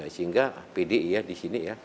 sehingga pd iya di sini ya